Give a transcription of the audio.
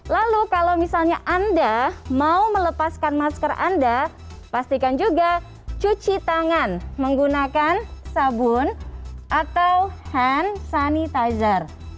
lalu kalau misalnya anda mau melepaskan masker anda pastikan juga cuci tangan menggunakan sabun atau hand sanitizer